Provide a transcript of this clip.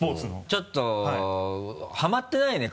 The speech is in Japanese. ちょっとハマってないね